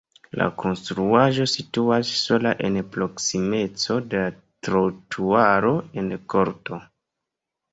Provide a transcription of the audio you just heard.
La konstruaĵo situas sola en proksimeco de la trotuaro en korto.